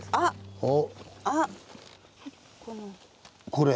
これ？